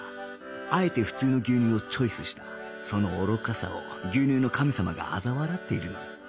あえて普通の牛乳をチョイスしたその愚かさを牛乳の神様があざ笑っているのだ